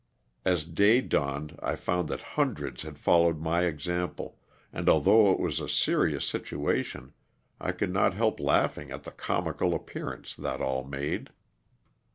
As day dawned I found that hundreds had followed my example, and although it was a serious situation I could not help laughing at the comical appearance that all made.